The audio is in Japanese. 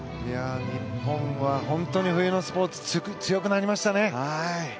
日本は本当に冬のスポーツ強くなりましたね。